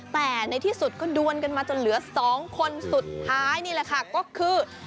แต่ในที่สุดก็ดวนกันมาจนเหลือ๒คนสุดท้ายนี่แหละค่ะก็คือ